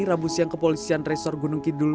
rabu siang kepolisian resor gunung kidul